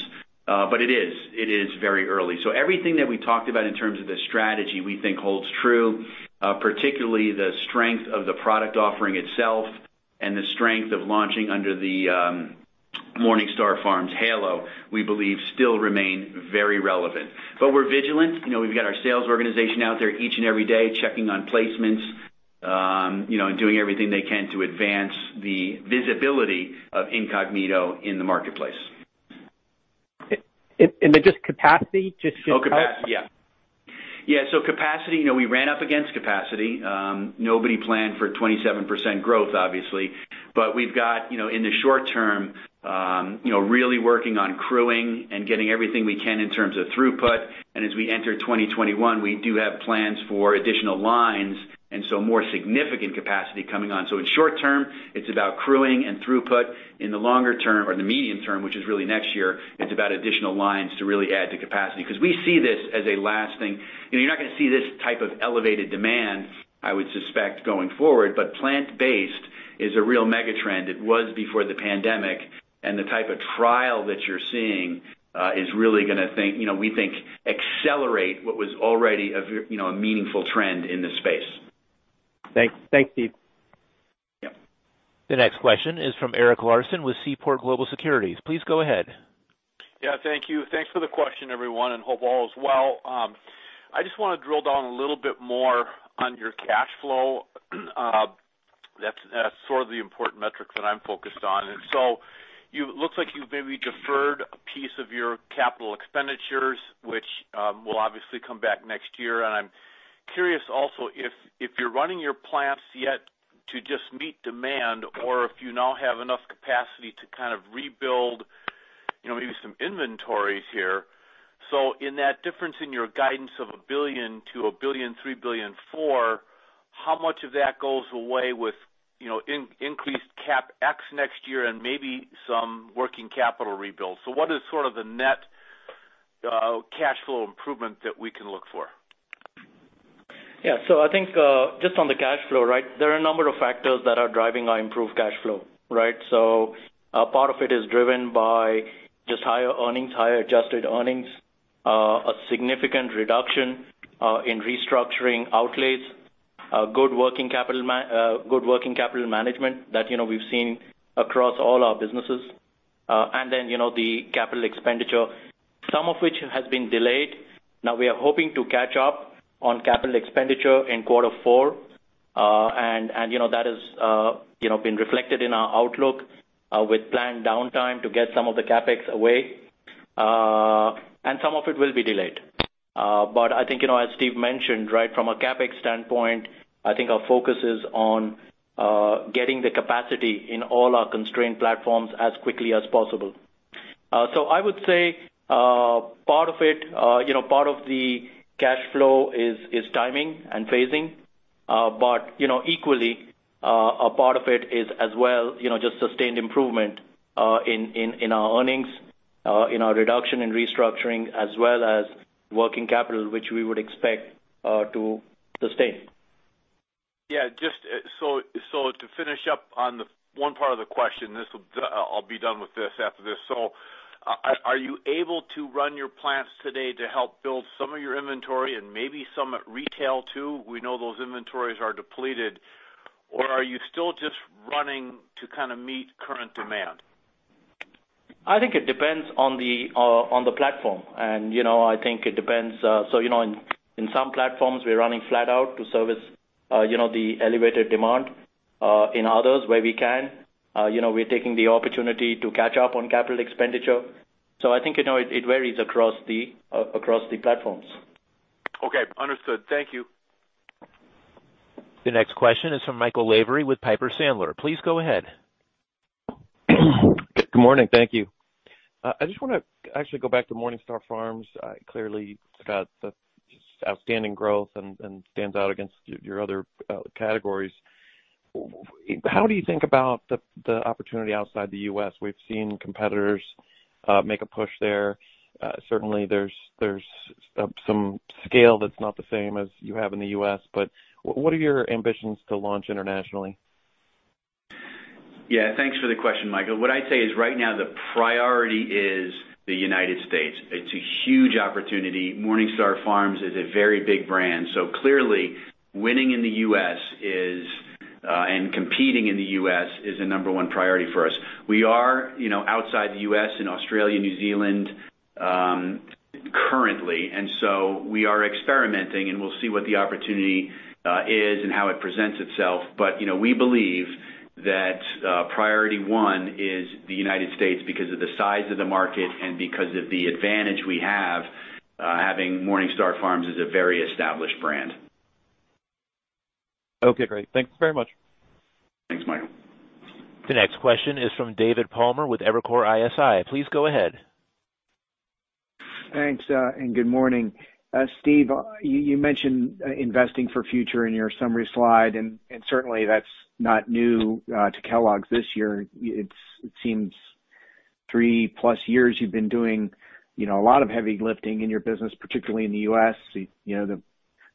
It is very early. Everything that we talked about in terms of the strategy we think holds true, particularly the strength of the product offering itself and the strength of launching under the MorningStar Farms halo, we believe still remain very relevant. We're vigilant. We've got our sales organization out there each and every day, checking on placements, and doing everything they can to advance the visibility of Incogmeato in the marketplace. In the just capacity? Oh, capacity. Yeah. Capacity, we ran up against capacity. Nobody planned for 27% growth, obviously. We've got, in the short term, really working on crewing and getting everything we can in terms of throughput. As we enter 2021, we do have plans for additional lines, more significant capacity coming on. In short term, it's about crewing and throughput. In the longer term or the medium term, which is really next year, it's about additional lines to really add to capacity, because we see this as a lasting trend. You're not going to see this type of elevated demand, I would suspect, going forward. Plant-based is a real mega trend. It was before the pandemic. The type of trial that you're seeing is really going to, we think, accelerate what was already a meaningful trend in this space. Thanks, Steve. Yep. The next question is from Eric Larson with Seaport Global Securities. Please go ahead. Yeah, thank you. Thanks for the question, everyone, and hope all is well. I just want to drill down a little bit more on your cash flow. That's sort of the important metric that I'm focused on. It looks like you've maybe deferred a piece of your CapEx, which will obviously come back next year. I'm curious also if you're running your plants yet to just meet demand or if you now have enough capacity to kind of rebuild maybe some inventories here. In that difference in your guidance of $1 billion-$1.3 billion Q4, how much of that goes away with increased CapEx next year and maybe some working capital rebuild? What is sort of the net cash flow improvement that we can look for? Yeah. I think, just on the cash flow. There are a number of factors that are driving our improved cash flow. Right? Part of it is driven by just higher earnings, higher adjusted earnings, a significant reduction in restructuring outlays, good working capital management that we've seen across all our businesses. The CapEx, some of which has been delayed. Now we are hoping to catch up on CapEx in quarter four. That has been reflected in our outlook, with planned downtime to get some of the CapEx away. Some of it will be delayed. I think, as Steve mentioned, from a CapEx standpoint, I think our focus is on getting the capacity in all our constrained platforms as quickly as possible. I would say part of the cash flow is timing and phasing. Equally, a part of it is just sustained improvement in our earnings, in our reduction in restructuring as well as working capital, which we would expect to sustain. Yeah. To finish up on the one part of the question, I'll be done with this after this. Are you able to run your plants today to help build some of your inventory and maybe some at retail too? We know those inventories are depleted. Are you still just running to kind of meet current demand? I think it depends on the platform. In some platforms we're running flat out to service the elevated demand. In others where we can, we're taking the opportunity to catch up on capital expenditure. I think it varies across the platforms. Okay. Understood. Thank you. The next question is from Michael Lavery with Piper Sandler. Please go ahead. Good morning. Thank you. I just want to actually go back to MorningStar Farms. Clearly it's got outstanding growth and stands out against your other categories. How do you think about the opportunity outside the U.S.? We've seen competitors make a push there. Certainly there's some scale that's not the same as you have in the U.S. What are your ambitions to launch internationally? Yeah. Thanks for the question, Michael. What I'd say is right now the priority is the United States. It's a huge opportunity. MorningStar Farms is a very big brand. Clearly, winning in the U.S. and competing in the U.S. is a number one priority for us. We are outside the U.S. in Australia, New Zealand, currently. We are experimenting, and we'll see what the opportunity is and how it presents itself. We believe that priority one is the United States because of the size of the market and because of the advantage we have, having MorningStar Farms as a very established brand. Okay, great. Thank you very much. Thanks, Michael. The next question is from David Palmer with Evercore ISI. Please go ahead. Thanks, and good morning. Steve, you mentioned investing for future in your summary slide. Certainly that's not new to Kellogg this year. It seems three plus years you've been doing a lot of heavy lifting in your business, particularly in the U.S.,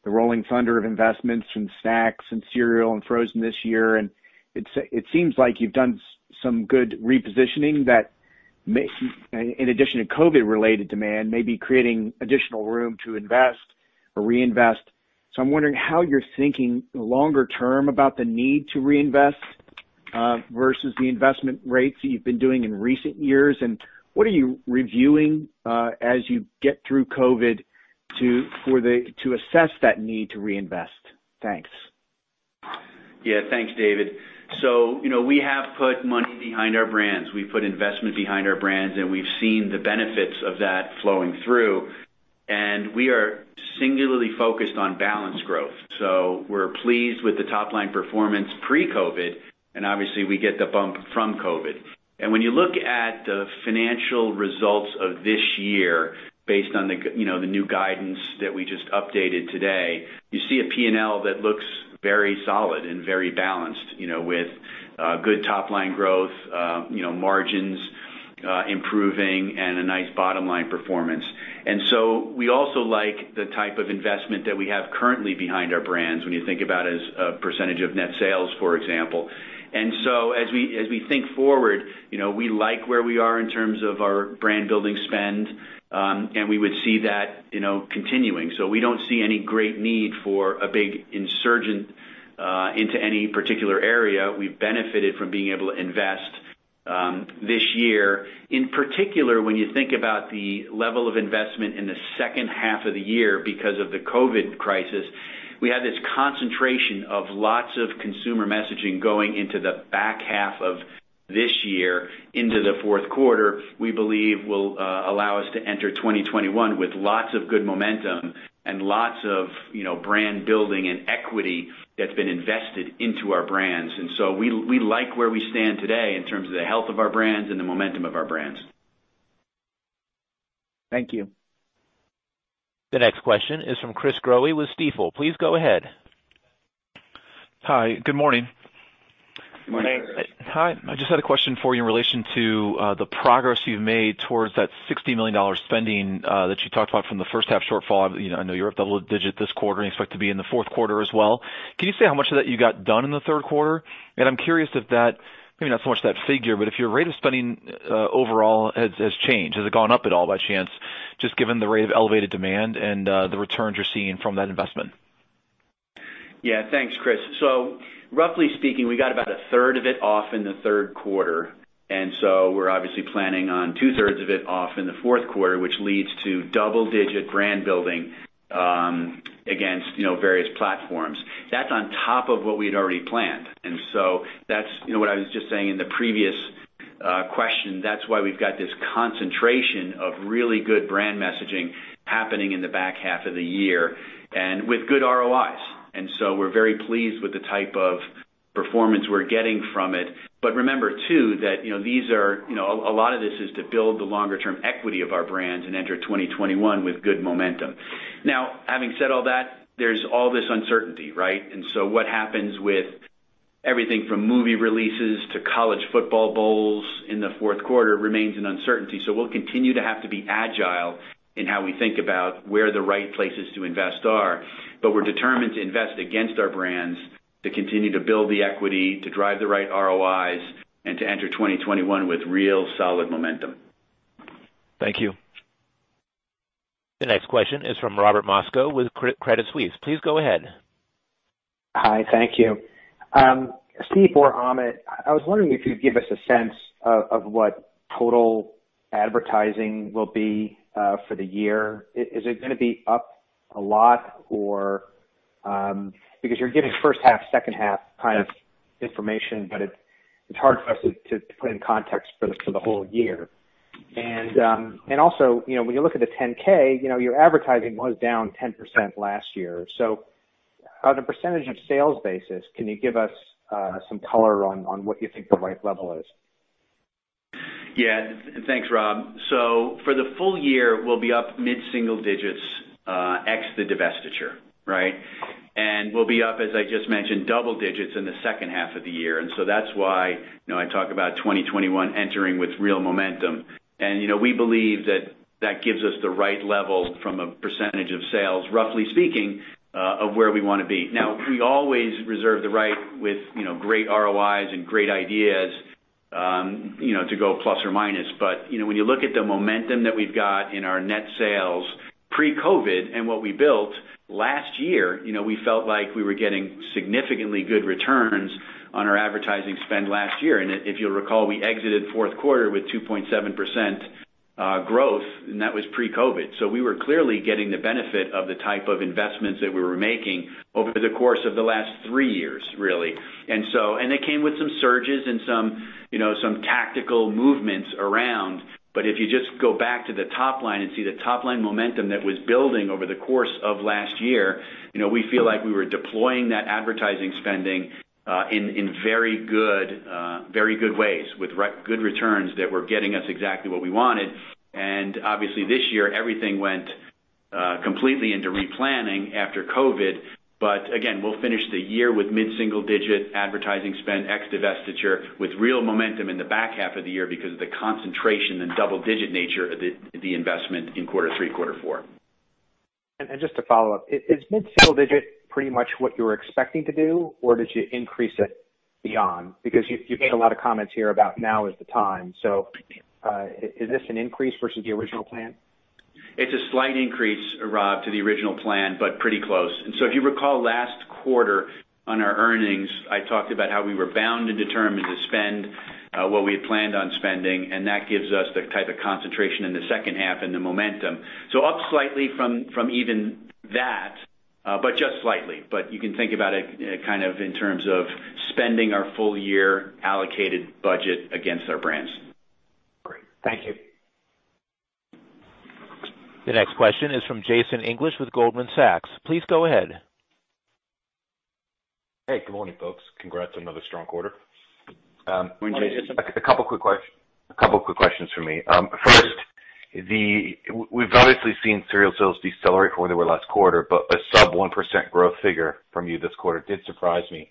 the rolling thunder of investments from snacks and cereal and frozen this year. It seems like you've done some good repositioning that, in addition to COVID-19 related demand, may be creating additional room to invest or reinvest. I'm wondering how you're thinking longer term about the need to reinvest versus the investment rates that you've been doing in recent years. What are you reviewing, as you get through COVID-19 to assess that need to reinvest? Thanks. Yeah. Thanks, David. We have put money behind our brands. We've put investment behind our brands, and we've seen the benefits of that flowing through. We are singularly focused on balanced growth. We're pleased with the top-line performance pre-COVID, and obviously, we get the bump from COVID. When you look at the financial results of this year based on the new guidance that we just updated today, you see a P&L that looks very solid and very balanced with good top-line growth, margins improving, and a nice bottom-line performance. We also like the type of investment that we have currently behind our brands when you think about as a percentage of net sales, for example. As we think forward, we like where we are in terms of our brand-building spend, and we would see that continuing. We don't see any great need for a big insurgent into any particular area. We've benefited from being able to invest this year. In particular, when you think about the level of investment in the second half of the year because of the COVID crisis, we have this concentration of lots of consumer messaging going into the back half of this year into the fourth quarter, we believe will allow us to enter 2021 with lots of good momentum and lots of brand-building and equity that's been invested into our brands. And so we like where we stand today in terms of the health of our brands and the momentum of our brands. Thank you. The next question is from Chris Growe with Stifel. Please go ahead. Hi, good morning. Good morning. Hi. I just had a question for you in relation to the progress you've made towards that $60 million spending that you talked about from the first half shortfall. I know you're up double digit this quarter, and you expect to be in the fourth quarter as well. Can you say how much of that you got done in the third quarter? I'm curious if that, maybe not so much that figure, but if your rate of spending overall has changed. Has it gone up at all by chance, just given the rate of elevated demand and the returns you're seeing from that investment? Yeah. Thanks, Chris. Roughly speaking, we got about a third of it off in the third quarter, we're obviously planning on two-thirds of it off in the fourth quarter, which leads to double digit brand building against various platforms. That's on top of what we had already planned. That's what I was just saying in the previous question, that's why we've got this concentration of really good brand messaging happening in the back half of the year and with good ROIs. We're very pleased with the type of performance we're getting from it. Remember too, that a lot of this is to build the longer term equity of our brands and enter 2021 with good momentum. Having said all that, there's all this uncertainty, right? What happens with everything from movie releases to college football bowls in the fourth quarter remains an uncertainty. We'll continue to have to be agile in how we think about where the right places to invest are, but we're determined to invest against our brands to continue to build the equity, to drive the right ROIs, and to enter 2021 with real solid momentum. Thank you. The next question is from Robert Moskow with Credit Suisse. Please go ahead. Hi. Thank you. Steve or Amit, I was wondering if you'd give us a sense of what total advertising will be for the year. Is it gonna be up a lot? Because you're giving first half, second half kind of information, but it's hard for us to put in context for the whole year. When you look at the 10-K, your advertising was down 10% last year. On a percentage of sales basis, can you give us some color on what you think the right level is? Yeah. Thanks, Rob. For the full year, we'll be up mid-single digits ex the divestiture, right? We'll be up, as I just mentioned, double digits in the second half of the year. That's why I talk about 2021 entering with real momentum. We believe that that gives us the right level from a percentage of sales, roughly speaking, of where we want to be. Now, we always reserve the right with great ROIs and great ideas to go plus or minus. When you look at the momentum that we've got in our net sales pre-COVID and what we built last year, we felt like we were getting significantly good returns on our advertising spend last year. If you'll recall, we exited fourth quarter with 2.7% growth, and that was pre-COVID. We were clearly getting the benefit of the type of investments that we were making over the course of the last three years, really. It came with some surges and some tactical movements around. If you just go back to the top line and see the top-line momentum that was building over the course of last year, we feel like we were deploying that advertising spending in very good ways with good returns that were getting us exactly what we wanted. Obviously, this year, everything went completely into replanning after COVID-19. Again, we'll finish the year with mid-single-digit advertising spend ex divestiture with real momentum in the back half of the year because of the concentration and double-digit nature of the investment in quarter three, quarter four. Just to follow up, is mid-single digit pretty much what you were expecting to do? Did you increase it beyond? Because you made a lot of comments here about now is the time. Is this an increase versus the original plan? It's a slight increase, Rob, to the original plan, but pretty close. If you recall last quarter on our earnings, I talked about how we were bound and determined to spend what we had planned on spending, and that gives us the type of concentration in the second half and the momentum. Up slightly from even that, but just slightly. You can think about it kind of in terms of spending our full year allocated budget against our brands. Great. Thank you. The next question is from Jason English with Goldman Sachs. Please go ahead. Hey, good morning, folks. Congrats on another strong quarter. Good morning, Jason. A couple quick questions from me. First, we've obviously seen cereal sales decelerate from where they were last quarter, but a sub 1% growth figure from you this quarter did surprise me.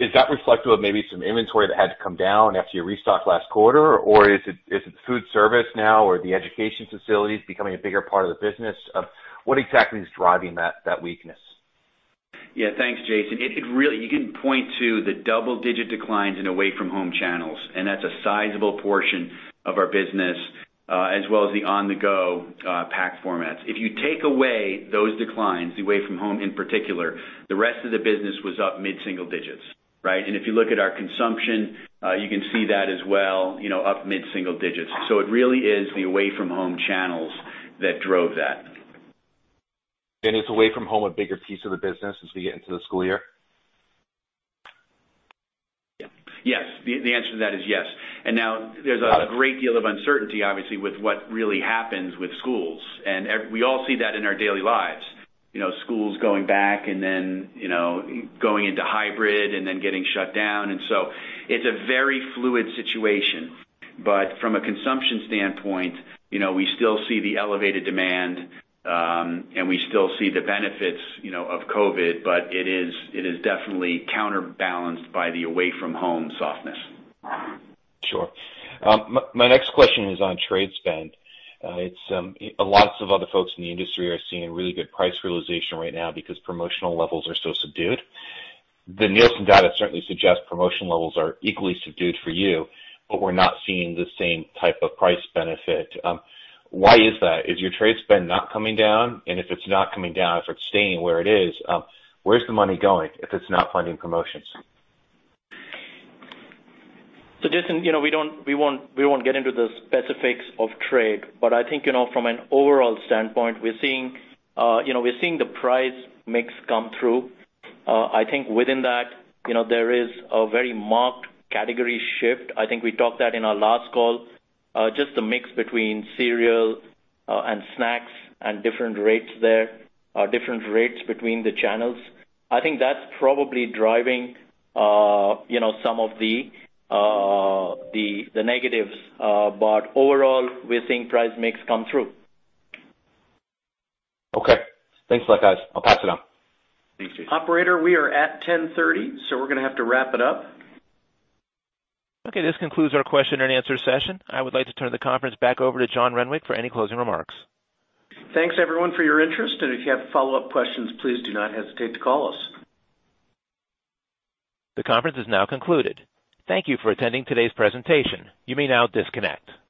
Is that reflective of maybe some inventory that had to come down after you restocked last quarter? Is it food service now, or the education facilities becoming a bigger part of the business? What exactly is driving that weakness? Yeah. Thanks, Jason. You can point to the double-digit declines in away from home channels, and that's a sizable portion of our business, as well as the on-the-go pack formats. If you take away those declines, the away from home in particular, the rest of the business was up mid-single digits. Right? If you look at our consumption, you can see that as well, up mid-single digits. It really is the away from home channels that drove that. Is away from home a bigger piece of the business as we get into the school year? Yes. The answer to that is yes. Now there's a great deal of uncertainty, obviously, with what really happens with schools. We all see that in our daily lives, schools going back and then going into hybrid and then getting shut down. It's a very fluid situation. From a consumption standpoint, we still see the elevated demand, and we still see the benefits of COVID-19. It is definitely counterbalanced by the away from home softness. Sure. My next question is on trade spend. Lots of other folks in the industry are seeing really good price realization right now because promotional levels are so subdued. The Nielsen data certainly suggests promotion levels are equally subdued for you, but we're not seeing the same type of price benefit. Why is that? Is your trade spend not coming down? If it's not coming down, if it's staying where it is, where's the money going if it's not funding promotions? Jason, we won't get into the specifics of trade, but I think from an overall standpoint, we're seeing the price mix come through. I think within that, there is a very marked category shift. I think we talked that in our last call, just the mix between cereal and snacks and different rates there, different rates between the channels. I think that's probably driving some of the negatives. Overall, we're seeing price mix come through. Okay. Thanks a lot, guys. I'll pass it on. Thanks, Jason. Operator, we are at 10:30 A.M., we're going to have to wrap it up. Okay. This concludes our question-and-answer session. I would like to turn the conference back over to John Renwick for any closing remarks. Thanks, everyone, for your interest. If you have follow-up questions, please do not hesitate to call us. The conference is now concluded. Thank you for attending today's presentation. You may now disconnect.